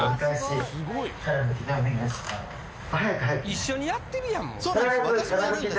一緒にやってるやん。